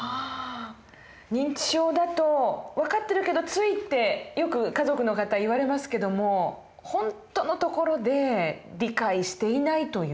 認知症だと分かってるけどついってよく家族の方言われますけども本当のところで理解していないという。